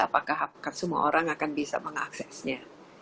apakah semua orang akan bisa mengaksesnya